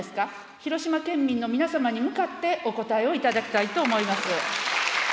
広島県民の皆様に向かってお答えを頂きたいと思います。